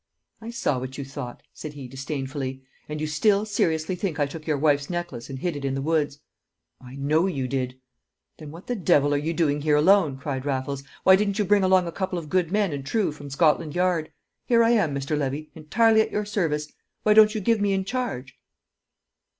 "I saw what you thought," said he, disdainfully. "And you still seriously think I took your wife's necklace and hid it in the woods?" "I know you did." "Then what the devil are you doing here alone?" cried Raffles. "Why didn't you bring along a couple of good men and true from Scotland Yard? Here I am, Mr. Levy, entirely at your service. Why don't you give me in charge?"